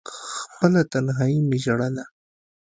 خپله تنهايي مې ژړله…